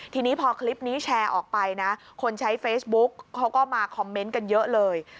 ทีนี้พอคลิปนี้แชร์ออกไปนะคนใช้เฟซบุ๊กเขาก็มาคอมเมนต์กันเยอะเลย